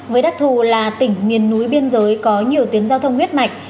với đặc thù là tỉnh miền núi biên giới có nhiều tuyến giao thông huyết mạch